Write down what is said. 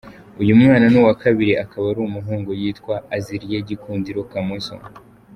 Uyu mwana ni uwa kabiri akaba ari umuhungu, yitwa Azriel Gikundiro Kamoso.